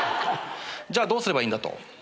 じゃあどうすればいいんだと。